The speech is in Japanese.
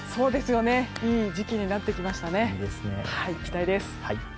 いい時期になってきましたね。